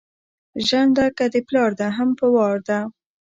ژرنده که دې پلار ده هم په وار ده.